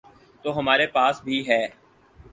تو ہمارے پاس بھی ہے۔